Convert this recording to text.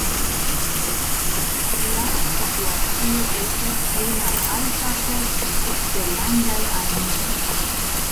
La situacio estas pli malalta por eksterlandaj armenoj.